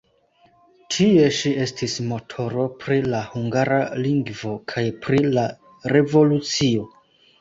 Tie ŝi estis motoro pri la hungara lingvo kaj pri la revolucio.